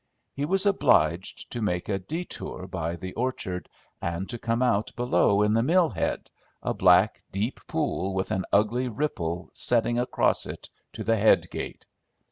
He was obliged to make a détour by the orchard and to come out below at the "mill head," a black, deep pool with an ugly ripple setting across it to the head gate.